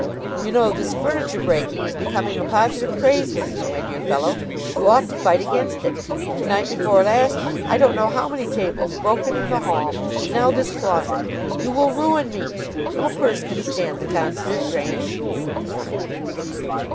You know, this furniture breaking is becoming a positive craze with you, my dear fellow. You ought to fight against it. The night before last, I don't know how many tables broken in the hall; and now this closet. You will ruin me. No purse can stand the constant drain."